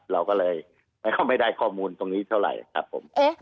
เราก็เลยไม่เข้าในข้อมูลนี้เท่าไรครับผม